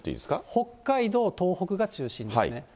北海道、東北が中心ですね。